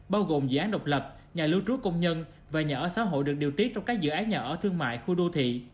bao gồm dự án độc lập nhà lưu trú công nhân và nhà ở xã hội được điều tiết trong các dự án nhà ở thương mại khu đô thị